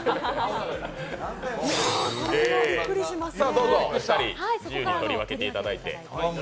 どうぞお二人、自由に取り分けていただいて。